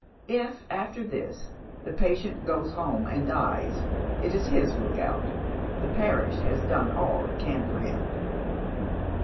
If, after this, the patient goes home and dies, it is his look out. Thw parish has done all it can for him.